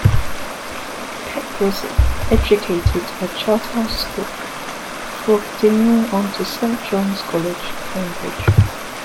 Peck was educated at Charterhouse School, before continuing on to Saint John's College, Cambridge.